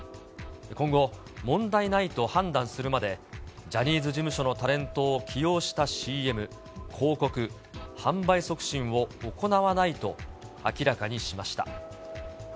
今後、問題ないと判断するまで、ジャニーズ事務所のタレントを起用したＣＭ、広告、販売促進を行わないと明らかにしました。